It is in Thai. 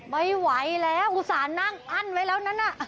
ไม่ไหวแล้วอุตส่าห์นั่งอั้นไว้แล้วนั้นน่ะ